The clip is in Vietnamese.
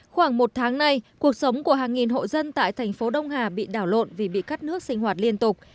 khoảng một tháng nay cuộc sống của hàng nghìn hộ dân tại thành phố đông hà bị đảo lộn vì bị cắt nước sinh hoạt liên tục